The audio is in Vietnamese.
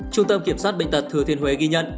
trung tâm kiểm soát bệnh tật thừa thiên huế ghi nhận